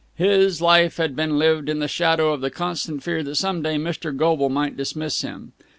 His life had been lived in the shadow of the constant fear that some day Mr. Goble might dismiss him.